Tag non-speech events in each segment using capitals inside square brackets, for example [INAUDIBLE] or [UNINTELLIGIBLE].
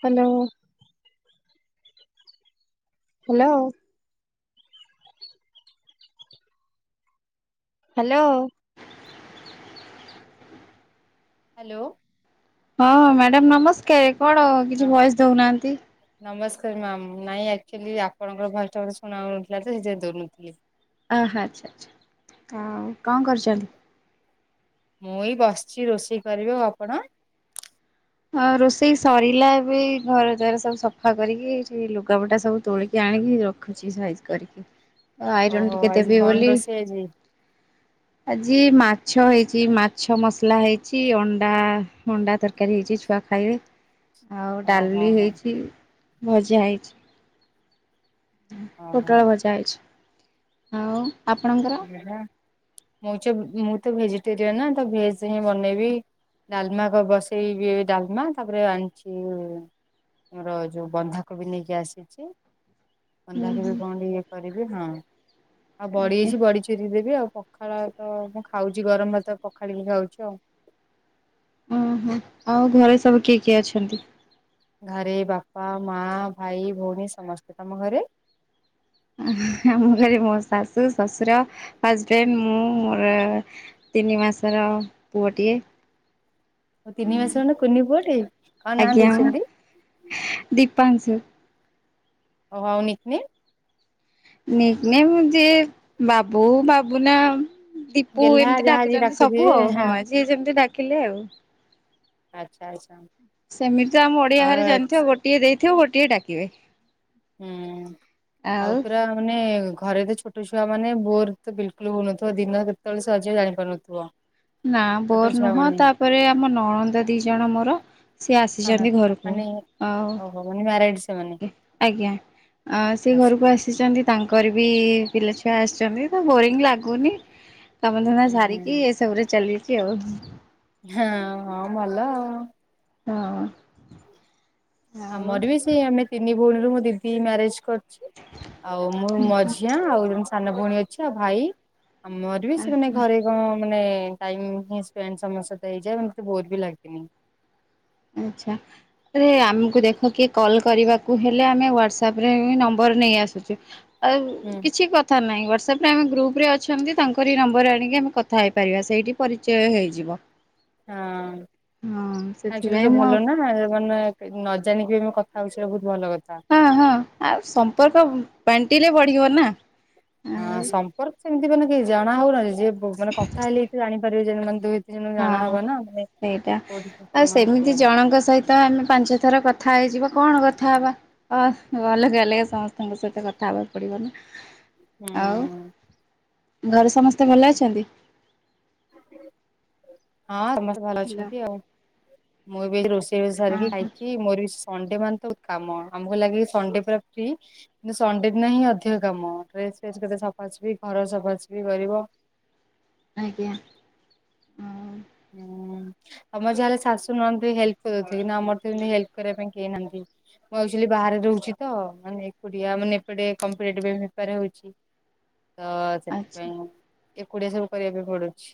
Hello. Hello. Hello. Hello. ହଁ madam ନମସ୍କାର କଣ ନା କିଛି ଭଏଶ୍ ଦଉନାହାନ୍ତି? ନମସ୍କାର ମ୍ୟାମ ନାଇଁ ଅକ୍ଚୁଆଲି ଆପଣଙ୍କର ଭଏସ଼ଟା ମତେ ଶୁଣା ହୋଉନଥିଲା ତ ସେଥିପାଇଁ ଦଉନଥିଲି। ଆହା ଆଚ୍ଛା ଆଚ୍ଛା ଆଉ କଣ କରୁଛନ୍ତି? ମୁଁ ଏଇ ବସିଛି ରୋଷେଇ କରିବି ଆଉ ଆପଣ? ହଁ ରୋଷେଇ ସରିଲା ଏବେ ଏଇ ଘର ଦ୍ବାର ସବୁ ସଫା କରିକି ସେ ଲୁଗାପୁଟା ସବୁ ତୋଳିକି ଆଣିକି ର ଖୁଛି ସାଇଜ୍ କରିକି ଆଇ ଆଇରନ୍ ଓହୋ ଟିକେ ଆଜି ଦେବି କଣ ବୋଲି ରୋଷେଇ ଆଜି ଆଜି ମାଛ ହେଇଛି ମାଛ ମସଲା ହେଇଛି ଅଣ୍ଡା ଅଣ୍ଡା ତରକାରୀ ହେଇଛି ଛୁ ଆ ଖାଇବେ ଆଉ ଓହୋ ଡାଲି ହୋ ହେଇଛି ଭଜା ହେଇଛି। ଓହୋ। ପୋଟଳ ଭଜା ହେଇଛି ଆଉ ଆପଣଙ୍କର? ମୁଁ ଚ ମୁଁ ତ ଭେଜିଟେରିୟାନ ନା ତ ଭେଜ ରେ ହିଁ ବନେଇବି। ଡାଲମା କ ବସେଇ ବିି ଡାଲମା ତାପରେ ଆଣିଚି ମୋର ଯୋଉ ବନ୍ଧାକୋବି ନେଇକି ଆସିଛି। ହୁଁ ବନ୍ଧାକୋବି ହୁଁ କଣ ଟିକିଏ କରିବି ହଁ ଆଉ ବଡ଼ିସି୍ ଆଜ୍ଞା। ବିଚିନି ଦେବି ଆଉ ପଖାଳ ତ ମୁଁ ଖାଉଛି ଗରମ ଭାତ ପଖାଳିକି ଖାଉଛି ଆଉ ଓହୋ ଆଉ ଘରେ ସବୁ କିଏ କିଏ ଅଛନ୍ତି? ଘରେ ବାପା ମା ଭାଇ ଭଉଣୀ ସମସ୍ତେ ତମ ଘରେ ଉଁ ‌ହୁଁ ଆମ ଘରେ ମୋ ଶାଶୁ ଶ୍ୱଶୁର ହଜବେଣ୍ଡ ମୁଁ ମୋର। ତିନି ମାସର ପୁଅଟିଏ। ଓ ତିନି ମାସ‌ ଖଣ୍ଡେ କୁନି ପୁଅଟେ କଣ ନାଁ ଦେଇଛନ୍ତି। ଦୀପାଂସୁ ଓ ହଉନିକି ନିକ୍ ନେମ୍ ଯେ ବାବୁ ବାବୁନା ଦୀପୁ ଗେହ୍ଲା ଏମିତି ଯାହା ଯିଏ ଡାକୁଛନ୍ତି ସବୁ ଡାକୁଥିବେ ଆଉ ହଁ ଯିଏ ଯେମିତି ଡାକିଲେ ଆଉ ଆଚ୍ଛା ଆଚ୍ଛା ସେମିତି ତ ଆମ ଓଡି଼ଆ ହଁ ଘରେ ଜାଣିଥିବ ଗୋଟିଏ ଦେଇଥିବ ଗୋଟିଏ ଡାକିବେ ହୁଁ ଆଉ ପୁରା ମାନେ ଘରେ ତ୍ ଛୋଟ ଛୁଆ ମାନେ ବୋର୍ ତ ବିଲକୁଲ ହଉନଥିବ ଦିନ କେତେବେଳେ ସରିଯାଉଥିବ ଜାଣି ପାରୁନଥିବ ନା ବୋର୍ ନୁହଁ ତାପରେ ଆମ ନଳନ୍ଦ ଦି ଜଣ ମୋର ସିଏ ହଁ ଆସିଛନ୍ତି ଘରକୁ ଆଉ ମ୍ୟାରେଡ୍ ସେମାନେ। ଆଜ୍ଞା ଆଁ ସେ ଆଚ୍ଛା ଘରକୁ ଆସିଛନ୍ତି। ତାଙ୍କର ବି ପିଲାଛୁଆ ଆସିଛନ୍ତି ତ୍ ବୋରିଂ ଲାଗୁନି କାମଧନ୍ଦା ହୁଁ ସାରିକି ହୁଁ ଏସବୁରେ ଚାଲିଛିି ଆଉ। ହଁ ଆଉ ଭଲ ଆଉ ହଁ। ଆମର ବି ସେଇ ଆମେ ତିନି ଭଉଣୀରୁୁ ମୋ ଦିଦି ମ୍ୟାରେଜ କରି ଅଛି ଆଉ ମୁଁ ମଝିଆ ଆଉ ସାନ ଭଉଣୀ ଅଛି ଆଉ ଭାଇ ଆମର ବି ସେମାନେ ଘରେ ହଁ ମାନେ ଟାଇମ ହି ସ୍ପେଣ୍ଡ ସମସ୍ତଙ୍କ ସହିତ ହେଇଯାଏ ମତେ ବୋର ବି ଲାଗେନି। ଆଚ୍ଛାରେ ଆମକୁ ଦେଖ କିଏ କଲ କରିବା? କୁ ହେଲେ ଆମେ ହ୍ୱଟସଆପ୍ ରେ ନମ୍ବର ନେଇ ଆସୁଚୁ ଆଉ ହୁଁ। କିଛି କଥା ନାହିଁ ହ୍ୱାଟ୍ସଆପ୍ ରେ ଆମେ ଗ୍ରୁପରେେ ଅଛନ୍ତି ତାଙ୍କରି ଏ ନମ୍ବର ଆଣିକି ଆମେ କଥା ହେଇପାରିବା ସେଇଠି ପରିଚୟ ହେଇଯିବ। ହଁ ହଁ ଆଜି ସେଥିପାଇଁ ତୁ ମୁଁ ଆଉ ଭଲ ନା ମାନେ ନ ଜାଣିକି ଆମେ କଥା ହଉଛେ ବହୁତ ଭଲ କଥା। ହଁ ହଁ ଆ ସମ୍ପର୍କ ବାଣ୍ଟିଲେ ବଢିବ ନା। ହଁ ଆଉ ସମ୍ପର୍କ ସେମିତି ମାନେ କି ଜଣା ହୁଏନି ଯିଏ ମାନେ କଥା ହେଲେ ଜାଣିପାରିବେ ଯେମିତି। ହଁ ସେଇଟା ଆଉ କଣ ସେ ସେମିତି ଜଣଙ୍କ ସହିତ ତ ଆମେ ପାଞ୍ଚ ଥର କଥା ହେଇଯିବା କଣ କଥା ହବା? ଅ ଅଲଗା ଅଲଗ ସମସ୍ତଙ୍କ ସହିତ କଥା ହବାକୁ ପଡିବ ନା। ହୁଁ ଆଉ ଘରେ ସମସ୍ତେ ଭଲ ଅଛନ୍ତି। ହଁ ସମସ୍ତେ ଭଲ ହାଲୋ ଅଛନ୍ତି ଆଉ। ମୁଁ ବି ଆଜି ରୋଷେଇ ହଁ ସାରିକି ହଁ ଖାଇକି ମୋର ବି ସଣ୍ଡେ ମାନେ ତ କାମ। ଆମକୁ ଲାଗେ ସେ ପୁରା ଫ୍ରି କିନ୍ତୁ ସଣ୍ଡେ ଦିନ ହିଁ ଅଧିକ କାମ ଡ୍ରେସ ଫେସ କେତେ ସଫା ସଫି ଘର ସଫାସୁଫି କରିବ। ଆଜ୍ଞା। ଆଉ ହୁଁ ତମର ଯାହାେଲେ ଶାଶୁ ନଣନ୍ଦ ହେଲ୍ପ କରିଦଉଥିବେ କିନୁ ଆମର ଏଠି ହେଲ୍ପ କରିବା ପାଇଁ କେ କେହି ନାହାନ୍ତି। ମୁଁ ଆକ୍ଚୁଆଲି ବାହାରେ ରହୁଛି ତ ମାନେ ଏକୁଟିଆ ମାନେ ଏପଟେ କମ୍ପଟେଟିଭ ପାଇଁ ପ୍ରିପିୟାର ହଉଛି। [INAUDIBLE] ତ ଆଚ୍ଛା। ସେଥିପାଇଁ ଏକୁଡ଼ିଆ ସବୁ କରିବା ପାଇଁ ପଡ଼ୁଛି।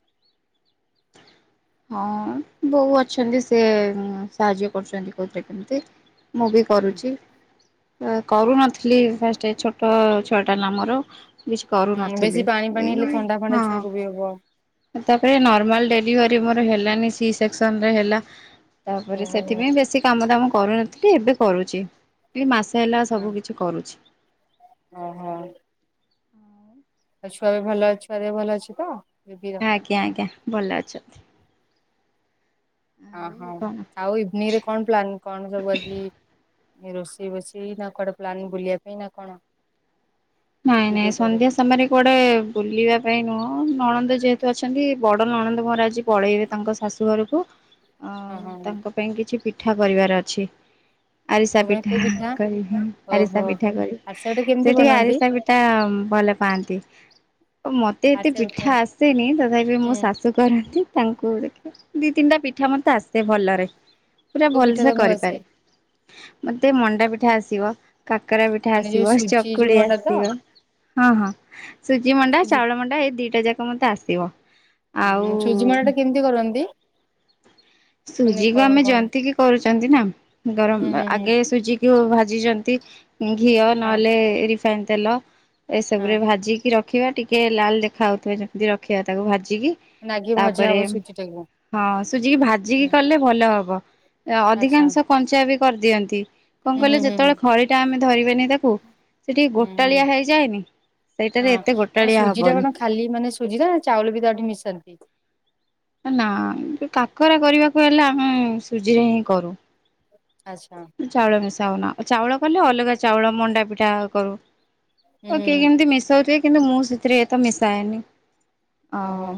ହଁ ବୋଉ ଅଛନ୍ତି ସେ ସାହାଯ୍ୟ କରୁଛନ୍ତି କୋଉଥିରେ କେମତି। ମୁଁ ବି କରୁଚି। ଏ କରୁନଥିଲି ଫାଷ୍ଟେ ଏ ଛୋଟ ଛୁଆଟା ନା ମୋର। ବିଛି ହୁଁ କରୁନଥିଲି ବେଶୀ ପାଣି ପାଣି ହେଲେ ଏଇ ଥଣ୍ଡା ଫଣ୍ଡା ହଁ। ଛୁଆକୁ ବି ହବ ତାପରେ ନର୍ମାଲ ଡେଲିଭରି ମୋର ହେଲାନି ସି ସେକ୍ସନରେ ହେଲା। ତାପରେ ଓହୋ ସେଥିପାଇଁ ବେଶୀ କାମ ଦାମ କରୁନଥିଲି ଏବେ କରୁଚି। ଏଇ ମାସେ ହେଲା ସବୁ କିଛି କରୁଛି। ଓ ହୋ। ଆଉ ଛୁଆ ବି ଭଲ ଛୁଆ ଦେହ ଭଲ ଅଛି ତ ବେବିର। ଆଜ୍ଞା ଆଜ୍ଞା ଭଲ ଅଛନ୍ତି। ଓହୋ ଆଉ କଣ ଆଉ ଇଭିନିଂରେ କଣ ପ୍ଲାନ୍? କଣ ସବୁ ଆଜି ରୋଷେଇ ବୋଷେଇ ନା କୁଆଡେ ପ୍ଲାନିଂ ବୁଲିବା ପାଇଁ ନା କଣ? ନାଇଁ ନାଇଁ ଯିବେ କୁଆଡେ ସନ୍ଧ୍ୟା ସମୟରେ କୁଆଡେ ବୁଲିବା ପାଇଁ ନୁହଁ ନଣନ୍ଦ ଯେହେତୁ ଅଛନ୍ତି ବଡ ନଣନ୍ଦ ମୋର ଆ ଜି ପଳେଇବେ ତାଙ୍କ ଶାଶୁ ଘରୁକୁ। ଅ ହଁ। ପାଇଁ କିଛି ପିଠା କରିବାର ଅଛି। ଆରିସା ମାନେ କୋଉ ପିଠା କରିବି ଆରିସା ଓହୋ ପିଠା କରି ଆରସା ପିଠା କେମିତି ସେ ଟିକେ ଆରି ବନାନ୍ତି ପିଟା ଉଁ ଭଲ ପାଆନ୍ତି ମତେ ଏତେ ପିଠା ଆସେନି ତଥାପି ମୋ ହୁଁ ଶା ଶୁ କରନ୍ତି ତାଙ୍କୁ ଦେଖେ ଦି ତିନିଟା ପିଠା ମତେ ଆସେ ଭଲରେ। ପୁରା କୋଉ ଭଲ ପିଠା ସେ ତମକୁ ଆସେ କରିପାରେ ମତେ ମଣ୍ଡା ପିଠା ଆସିବ। କାକରା ପିଠା ମାନେ ଯୋଉ ଆସିବ ସୁଜି ଯୋଉ ଚକୁଳି ଆ ମଣ୍ଡା ତ ସିବ ହଁ ହଁ ସୁଜି ମଣ୍ଡା ଚାଉଳ ମଣ୍ଡା ଏଇ ଦିଟା ଯାକ ମତେ ଆସିବ। ହୁଁ ହୁଁ ସୁଜି ଆଉ ମଳାଟା କେମିତି କରନ୍ତି? ମାନେ ସୁଜିକୁ କଣ ଆମେ କଣ ଯନ୍ତିକି କରୁଚନ୍ତି ନା ହୁଁ ଗରମ ହୁଁ ହୁଁ ଆଗେ ସୁଜି କୁ ଭାଜିଚନ୍ତି ଘିଅ ହଁ ନହେଲେ ରିଫାଇନ୍ ତେଲ ହଁ ଏସବୁରେ ଭାଜିକି ରଖିବା ଟିକେ ଲାଲ୍ ଦେଖା ହଉଥିବ ଯେମିତି ରଖିବା ତାକୁ ଭାଜିକି। ମାନେ ଆଗେ ଭଜା ତାପରେ ହବ ସୁଜି ଟାକୁ ହଁ ସୁଜିକି ଭା ଜିକି କଲେ ଭଲ ହବ ଆଚ୍ଛା ଅଧିକାଂଶ କଞ୍ଚା ବି କରିଦିଅନ୍ତି। କଣ ହୁଁ ହୁଁ କଇଲ ହୁଁ ହୁଁ ଯେତଳେ ଖଳିଟା ଆମେ ଧରିବେନି ତାକୁ ସେ ଟିକେ ହୁଁ ହୁଁ ଗୋଟାଳିଆ ହେଇଯାଏନି ସେଇଟାରେ ହଁ ଏତେ ମାନେ ଗୋଟାଳିଆ ସୁଜି ଟା ହବନି। କଣ ଖାଲି ମାନେ ସୁଜିରା ଚାଉଳ ବି ତାଠିି ମିଶାନ୍ତି। ନାଆଁ କାକରା କରିବାକୁ ହେଲେ ଆମେ ସୁଜିରେ ହିଁ କରୁ। ଆଚ୍ଛା। ଚାଉଳ ମିଶାଉନା ଚାଉଳ କଲେ ଅଲଗା ଚାଉଳ ମଣ୍ଡା ପିଠା କରୁ। ହୁଁ ତ ହୁଁ କେଇ ହୁଁ କେମିତି ମିଶଉଥୁବେ କିନ୍ତୁ ମୁଁ ସେଥିରେ ତ ମିଶାଏନି। ଓହୋ। ଆଉ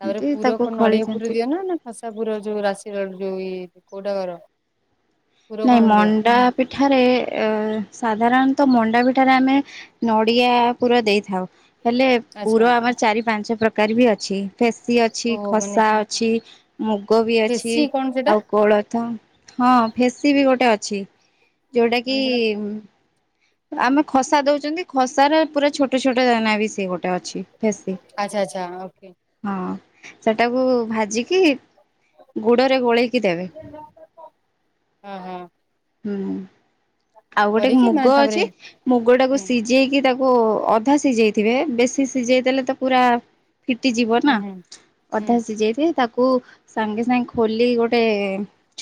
ତାପରେ ପୁର ତାକୁ କଣ ଖଳି ନଡିଆ ପୁର ଯନ୍ତି ଦିଅ ନା ନା ଖସା ପୁର ଯୋଉ ରାଶିର ଯୋଉ ଇ କୋଉଟା କର? ପୁର ନାଇଁ କଣ ଦିଅ ମଣ୍ଡା ପିଠାରେ ଏ ସାଧାରଣତଃ ମଣ୍ଡା ପିଠାରେ ଆମେ ନଡିଆ ପୁର ଦେଇଥାଉ। ହେଲେ ଆଚ୍ଛା ପୁର ଆମର ଚାରି ପାଞ୍ଚ ପ୍ରକାର ବି ଅଛି ଫେସି ଅଛି, ଓହୋ ମାନେ ଖସା ଅଛି। ମୁଗ ବି ଅଛି ଫେସି କଣ ସେଟା ଆଉ କୋଳଥ ହଁ ଫେସି ବି ଗୋଟେ ଅଛି। ଯୋଉଟା କି ମାନେ ସେଟା ଉଁ ଆମେ ଖସା ଦଉଚନ୍ତି ଖସାର ପୁରା ଛୋଟ ଛୋଟ ଦାନ ବି ସିଏ ଗୋ ଟେ ଅଛି ଫେସି। ଆଚ୍ଛା ଆଚ୍ଛା ଓକେ ହଁ ସେଟାକୁ ଭାଜିକି ଗୁଡରେ ଗୋଳେଇ କି ଦେବେ ହଁ ହଁ ହୁଁ। ଆଉ ଗୋଟେ କରିକି ମାନେ ମୁଗ ଅଛି ତାପରେ ମୁଗଟାକୁ ହୁଁ ସିଜେଇକି ତା କୁ ଅଧା ସିଜେଇଥିବେ ବେଶୀ ସିଜେଇ ଦେଲେ ତ ପୁରା ଫିଟିଯିବ ନା ହୁଁ ହୁଁ ହୁଁ ଅଧା ସିଝେଇବେ ତା କୁ ସାଙ୍ଗେ ସାଙ୍ଗେ ଖୋଲି କି ଗୋଟେ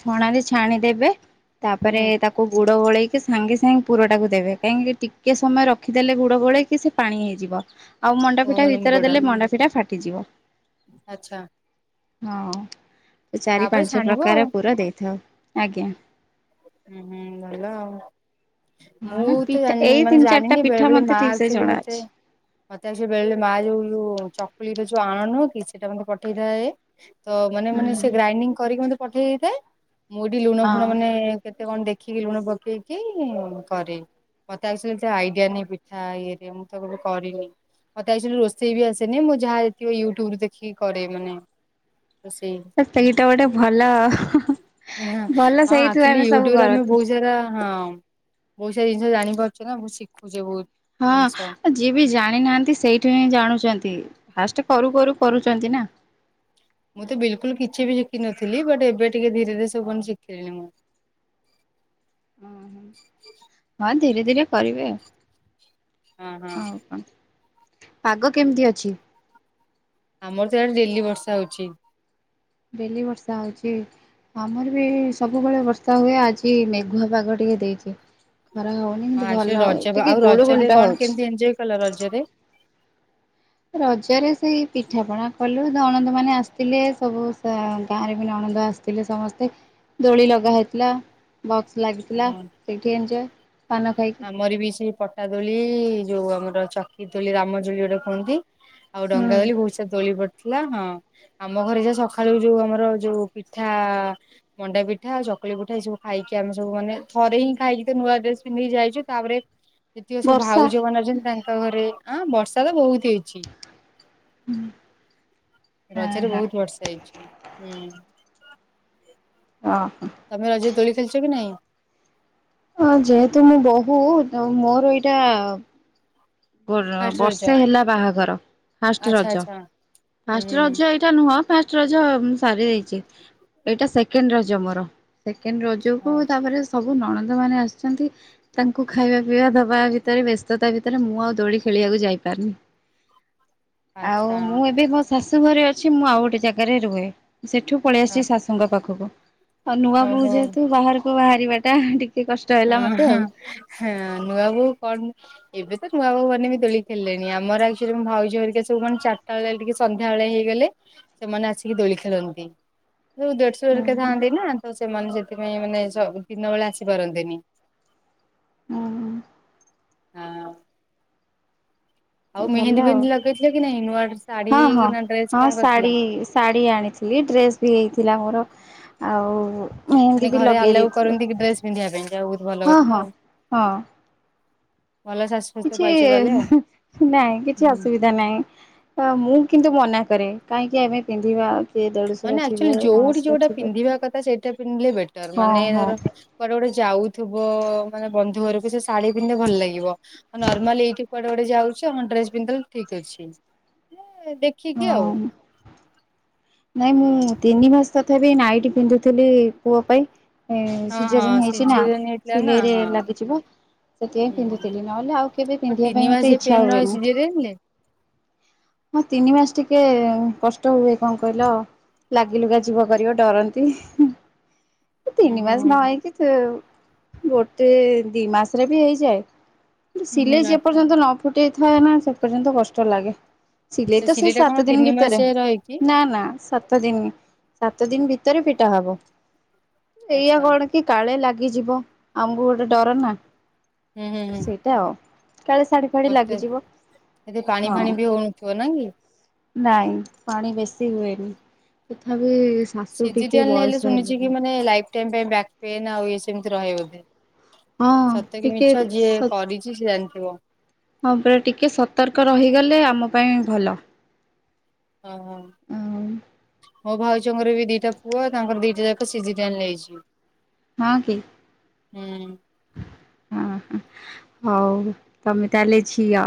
ଛଣାରେ ଛାଣିଦେବେ। ତାପରେ ହୁଁ ତାକୁ ଗୁଡ ଗୋଳେଇକି ସାଙ୍ଗେ ସାଙ୍ଗେ ପୁରଟାକୁ ଦେବେ କାହିଁକି ଟିକେ ସମୟ ରଖିଦେଲେ ଗୁଡ ଗୋଳେଇ କି ସିଏ ପାଣି ହେଇଯିବ। ଆଉ ଓ ମଣ୍ଡାପିଠା ମାନେ ଭିତରେ ମୁଗଟା ଦେଲେ ମଣ୍ଡା ପିଠା ଫାଟିଯିବ। ଆଚ୍ଛା। ହଁ ଏ ଚାରି ତାପରେ ପାଞ୍ଚ ଛାଣିବ ଆଉ। ପ୍ରକାର ପୁରା ଦେଇଥାଉ ଆଜ୍ଞା। ଉଁ ହୁଁ ଭଲ ଆଉ। ହଁ ମୁଁ ନା ତ ପିଠା ଜାଣି ଏଇ ମାନେ ତିନି ଚାରିଟା ଜାଣିନି ପିଠା ବେଳେ ବେଳେ ମତେ ମା ଠିକ ସେ ଆକଚୁଆଲି ଜଣା ଅଛି ମତେ ମତେ ଆକଚୁଆଲି ବେଳେ ବେଳେ ମାଆ ଯୋଉ ଯୋଉ ଚକୁଲିର ଯୋଉ ଆଣ ନୁହଁ କି ସେଇଟା ମତେ ପଠେଇଥାଏ। ତ ମାନେ ମାନେ ସେ ହୁଁ ଗ୍ରାଇଡିଙ୍ଗ କରିକି ମୋତେ ପଠେଇ ଦେଇଥାଏ। ମୁଁ ଏଇଠି ଲୁଣ ଫୁଣ ମାନେ ହଁ କେତେ କଣ ଦେଖିକି ଲୁଣ ପକେଇକି କରେ। ମତେ ଆକଚୁଆଲି ଏତେ ଆଇଡିଆ ନାଇଁ ପିଠା ଇଏ ହେରିକା ମୁଁ ତ କେବେ କରିନି। ମତେ ଆକଚୁଆଲି ରୋଷେଇ ବି ଆସେନି। ମୁଁ ଯାହା ଯେତିକି ୟୁଟ୍ୟୁବ ଦେଖିକି କରେ ମାନେ। ରୋଷେଇ। ବଟ୍ ସେଇଟା ଗୋଟେ ଭଲ। ଭଲ ସେଇଥୁ ଆକଚୁଆଲି ୟୁଟ୍ୟୁବରେ ଆମେ ବହୁତ ସାରା ହଁ ବହୁତ ସାରା ଜିନିଷ ଜାଣିପାରୁଚେ ନା ବହୁତ୍ ଶିଖୁଚେ ବହୁତ୍। ହଁ। ଯିଏ ବି ଜାଣିନାହାନ୍ତି ସେଇଠୁ ହିଁ ଜାଣୁଚନ୍ତି। ଫାଷ୍ଟ କରୁ କରୁ କରୁଛନ୍ତି ନା। ମୁଁ ତ ବିଲକୁଲ କିଛି ବି ଶିଖିନଥିଲି ବଟ୍ ଏବେ ଟିକେ ଧୀରେ ଧୀରେ ସବୁ ପୁଣି ଶିଖିଲିଣି ମୁଁ। ଉଁ ହୁଁ। ହଁ ଧୀରେ ଧୀରେ କରିବେ ଆଉ। ହଁ ହଁ ଆଉ କଣ? ପାଗ କେମିତି ଅଛି? ଆମର ତ ଇଆଡେ ଡେଲି ବର୍ଷା ହଉଚି। ଡେଲି ବର୍ଷା ହଉଚି? ଆମର ବି ସବୁବେଳେ ବର୍ଷା ହୁଏ। ଆଜି ମେଘୁଆ ପାଗ ଟିକେ ଦେଇଚି। ଖରା ହଉନି ହଁ କିନ୍ତୁ ଆକ୍ଚୁଆଲି ଭଲ ଆଉ ରଜ ଟିକେ ରଜରେ ଗୁଳୁଗୁଳିଟା କଣ ହଉଚି। କେମିତି ଏଞ୍ଜୟ କଲ ରଜରେ ରଜରେ ସେଇ ପିଠାପଣା କଲୁ। ନଣନ୍ଦ ମାନେ ଆସିଥିଲେ। ସବୁ ସା ଗାଁରେ ବି ନଣନ୍ଦ ଆସି ଥିଲେ ସମସ୍ତେ। ଦୋଳି ଲଗା ହେଇଥିଲା। ବକ୍ସ ଲାଗିଥିଲା। ହଁ। ସେଇଠି ଏଞ୍ଜୟ୍ ପାନ ଖାଇକି। ମୋର ବି ସେଇ ପ ପଟା ଦୋଳି ଯୋଉ ଆମର ଚକିିତୋଳି ରାମଦୋଳି ଯଉଟା କୁହନ୍ତି ଆଉ ହୁଁ ଡଙ୍ଗା ଦୋଳି ବହୁତ୍ ସାରା ଦୋଳି ପଡିଥିଲା, ହଁ। ଆମ ଘରେ ଯୋଉ ସକାଳୁ ଯୋଉ ଆମର ଯୋଉ ପିଠା ମଣ୍ଡା ପିଠା ଆଉ ଚକୁଳି ପିଠା ଏଇ ସବୁ ଖାଇକି ଆମେ ଯୋଉ ମାନେ ଥରେ ହିଁ ଖାଇକି ତ ନୂଆ ଡ୍ରେସ ପିନ୍ଧିକି ଯାଇଚୁ ତାପରେ ଯେତିକ ସବୁ ବର୍ଷା। ଭାଉଜ ମାନେ ଅଛନ୍ତି ତା ତାଙ୍କ ଘରେ, ଆଁ ବର୍ଷା ତ ବହୁତ ହେଇଚି। [INAUDIBLE] ରଜରେ ହଁ ବହୁତ ବର୍ଷା ହେଇଚି। ହୁଁ। [UNINTELLIGIBLE] ତମେ ରଜରେ ଦୋଳି ଖେଳିଚ କି ନାହିଁ? ହଁ ଯେହେତୁ ମୁଁ ବୋହୁ ତ ମୋର ଏଇଟା ମୋର ଫାଷ୍ଟ ରଜ ବର୍ଷେ ହେଲା ବାହାଘର। ଫାଷ୍ଟ ଆଚ୍ଛା ରଜ, ଆଚ୍ଛା ହୁଁ ଫାଷ୍ଟ ରଜ ଏ ଟା ନୁହଁ ଫାଷ୍ଟ ରଜ ମୁଁ ସାରି ଦେଇଚି। ଏଇଟା ସେକେଣ୍ଡ ରଜ ମୋର। ସେକେଣ୍ଡ ର ଜ କୁ ହଁ ତାପରେ ସବୁ ନଣନ୍ଦମାନେ ଆସିଛନ୍ତି। ତାଙ୍କୁ ଖାଇବା ପିଇବା ଦବା ଭିତରେ ବ୍ୟସ୍ତତା ଭିତରେ ମୁଁ ଆଉ ଦୋଳି ଖେଳିବାକୁ ଯାଇପାରିନି। ଆଉ ଆଚ୍ଛା ମୁଁ ଏବେ ମୋ ଶାଶୁ ଘରେ ଅଛି। ମୁଁ ଆଉ ଗୋଟେ ଯାଗାରେ ରୁହେ। ସେଠୁ ପଳେଇ ହଁ ଆସିଚି ଶାଶୁଙ୍କ ପାଖକୁ। ଆଉ ନୂଆ ବୋଉ ଓହୋ ଯେହେତୁ ବାହାରକୁ ବାହାରିବାଟା ଟି ଟିକେ କଷ୍ଟ ହେଲା ହଁ ମୋତେ ହଁ ଆଉ। ହଁ ନୂଆବୋହୂ କନ୍ ଏବେ ତ ନୂଆ ବୋହୂ ମାନେ ବି ଦୋଳି ଖେଳିଲେଣି। ଆମର ଆକ୍ଟୁଆଲ ଭାଉଜ ହେରିକା ସବୁ କଣ ଚାରିଟା ବେଳିଆ ଟିକେ ସନ୍ଧ୍ୟାବେଳେ ହେଇଗଲେ, ସେମାନେ ଆସିକି ଦୋଳି ଖେଳନ୍ତି। ଯୋଉ ଦେଢସୁର ହୁଁ ହେରିକା ଥାଆନ୍ତି ନା ତ ସେମାନେ ସେଥିପାଇଁ ମାନେ ସ ଦିନ ବେଳେ ଆସିପାରନ୍ତିନି। ଉଁ ହୁଁ। [UNINTELLIGIBLE] ହୁଁ ଆଉ ଭଲ ମେହେନ୍ଦୀ ଆଉ ଫେହେନ୍ଦୀ ଲଗେଇଥିଲ କି ନାଇଁ ନୂଆ ଶାଢୀ ହଁ ହଁ କି ନୂଆ ଡ୍ରେସ ହଁ କଣ ଶାଢ଼ୀ କରିଥିଲ? ଶାଢ଼ୀ ଆଣିଥିଲି ଡ୍ରେସ୍ ବି ହେଇଥିଲା ମୋର ଆଉ। ମାନେ ମେହେନ୍ଦୀ ବି ଘରେ ଲଗେଇ ଆଲାଉ ଦେଇଥିଲି କରନ୍ତି କି ଡ୍ରେସ ପିନ୍ଧିବା ପାଇଁ ଯାହା ହଉ ବହୁତ ଭଲ ହଁ କଥା ହଁ ଆଉ ହଁ। [INAUDIBLE] ଭଲ ଶାଶ କିଛି ହୁଁ ନାଇଁ କିଛି ହୁଁ ଅସୁବି ଧା ନାହିଁ ଅ ମୁଁ କିନ୍ତୁ ମନା କରେ କାହିଁକି ଆମେ ପିନ୍ଧିବା। କିଏ ଦେଢ଼ଶୁର ମାନେ ଥିବେ ଆକ୍ଚୁଆଲି ଯୋଉଠି ମଣଶୁର ଯୋଉଟା ଥିବେ ପିନ୍ଧିବା କଥା ସେଇଟା ପିନ୍ଧିଲେ ବେଟର ହଁ ମାନେ ହଁ ଧର। କୁଆଡେ ଗୋଟେ ଯାଉଥିବ ମାନେ ବନ୍ଧୁ ଘରକୁ ସେ ଶାଢୀ ପିନ୍ଧିଲେ ଭଲ ଲାଗିବ ଆଉ ନର୍ମାଲ ଏଇଠି କୁଆ ଏ ଗୋଟେ ଯାଉଛ ହଁ ଡ୍ରେସ ପିନ୍ଧିଦେଲ ଠିକ ଅଛି ଏ ଦେଖିକି ହଁ ଆଉ। ନାଇଁ ମୁଁ ତିନି ମାସ ତଥାପି ନାଇଟି ପିନ୍ଧୁଥିଲି ପୁଅ ପାଇଁ। ଏ ହଁ ସିଜରିନ୍ ହଁ ହେଇଛି ନା ସିଜରିଆନ ହେଇଥିଲା ନା ସିଲେଇରେ ହଁ ଲାଗିଯିବ। ସେଥିପାଇଁ ହୁଁ ହୁଁ। ପିନ୍ଧୁଥିଲି ନହେଲେ ଆଉ କେବେ ଓ ପିନ୍ଧିବା ତିନି ପାଇଁ ମୋତେ ମାସିଆ ପେନ୍ ଇଚ୍ଛା ରହିଛି ହୁଏନି। ସିଜରିଆନ ରେ ହଁ ତିନି ମାସ ଟିକେ କଷ୍ଟ ହୁଏ। କଣ କହିଲ ଲାଗିଲୁଗା ଯିବ କରିବ ଡରନ୍ତି ହିଁ। ହୁଁ ତିନି ହୁଁ ମାସ ହୁଁ ନ ହେଇକି ତ ଗୋଟେ ଦି ମାସରେ ବି ହେଇଯାଏ। ହୁଁ ହୁଁ ସିଲେଇ ଯେ ଆଚ୍ଛା। ପର୍ଯ୍ୟନ୍ତ ନ ଫୁଟେଇ ଥାଏ ନା ସେ ପର୍ଯ୍ୟନ୍ତ କଷ୍ଟ ଲାଗେ। ସିିଲେଇ ଆଚ୍ଛା ତ ସିଲେଇ ସେଇ ଟା କଣ ସାତ ଦିନ ତିନି ମାସ ଭିତରେ। ଯାଏ ରହେ କି ନା ନା ସାତ ଦିନି ସାତ ଦିନ ଭିତରେ ଫିଟା ହବ ଏଇଆ ଆଚ୍ଛା କଣ। କି କାଳେ ଲାଗିଯିବ ଆମକୁ ଗୋଟେ ଡର ନା। ହୁଁ ହୁଁ ହୁଁ। ତ କାଳେ ଶାଢୀ ଫାଢି କଷ୍ଟ ଲାଗିଯିବ ଏଠି ପାଣି ଫାଣି ହଁ। ବି ହଉନଥିବ ନା କି? ନାଇଁ ପାଣି ବେଶୀ ହୁଏନି ତଥାପି ଶାଶୁ ଟିକେ ସିଜିରିଆନ ହେଲେ ବୟସ ଶୁଣିଚି କି ହେଲାଣି ମାନେ ଲାଇଫ ଟାଇମ ପାଇଁ ବ୍ୟାକ୍ ପେନ୍ ଆଉ ୟେ ସେମିତି ରହେ ବୋଧେ? ହଁ ସତ କି ଟିକେ ମିଛ ଯିଏ ସ କରିଛି ସେ ଜାଣିଥିବ। ହଁ ପରା ଟିକେ ସତର୍କ ରହିଗଲେ ଆମ ପାଇଁ ଭଲ। ଅ ହଁ। ମୋ ଭାଉଜଙ୍କର ବି ଦିଟା ପୁଅ ତାଙ୍କର ଦିଟା ଯାକ ସିଜିରିଆନ ହେଇଛି। ହଁ କି? ହୁଁ। ଅ ହଁ ହଉ ତମେ ତାହେଲେ ଝିଅ।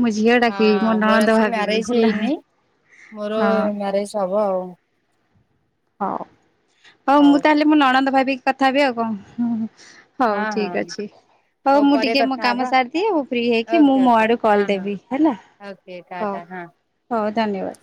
ମୁଁ ଝିଅ ଡ଼ାକିବି ମୋ ହଁ ମୋର ନଣନ୍ଦ ଆକ୍ଚୁଆଲି ଭାବିବି ମ୍ୟାରେଜ ହେଲା ହଁ। ହେଇନି ମୋର ମ୍ୟାରେଜ ହବ ଆଉ। ହଉ ହଉ ମୁଁ ତାହେଲେ ମୋ ନଣନ୍ଦ ଭାବିକି କଥା ହେବି ଆଉ କଣ ହୁଁ ହୁଁ। ହଉ ହଁ ହଁ ଠିକ ଅଛି। ହଉ ମୁଁ ପରେ ଟିକେ ମୋ କଥା କାମ ହବା ସାରିଦିଏ ମୁଁ ଫ୍ରି ହେଇକି ମୁଁ ଓକେ ମୋ ଓକେ ଆଡୁ ହଁ କଲ ହଁ ଦେବି ହେଲା। ଓକେ ହଉ ଟାଟା ହଁ। ହଉ ଧନ୍ୟବାଦ।